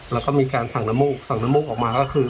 แล้วก็มีการสั่งน้ำมูกสั่งน้ำมูกออกมาก็คือ